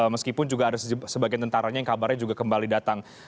meskipun juga ada sebagian tentaranya yang kabarnya juga kembali datang